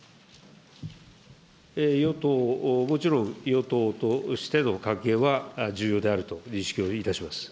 与党、もちろん与党としての関係は重要であると認識をいたします。